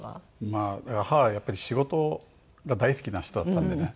まあ母はやっぱり仕事が大好きな人だったんでね。